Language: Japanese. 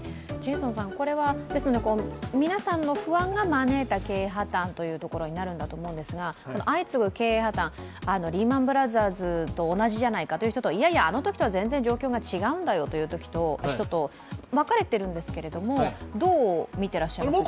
これは皆さんの不安が招いた経営破綻ということになるんだと思うんですが相次ぐ経営破綻、リーマンブラザーズと同じじゃないかという人といやいや、あのときとは全然状況が違うんだよという人と分かれていますが、どう見てらっしゃいますか？